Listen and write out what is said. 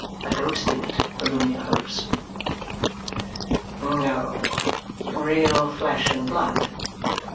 A ghost in it, Volumnia hopes? "No. Real flesh and blood." Mr.